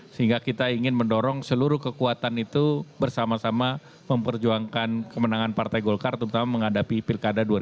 sehingga kita ingin mendorong seluruh kekuatan itu bersama sama memperjuangkan kemenangan partai golkar terutama menghadapi pilkada dua ribu dua puluh